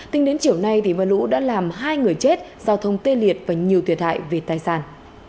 tính đến chiều nay mưa lũ đã làm hai người chết giao thông tê liệt và nhiều thiệt hại về tài sản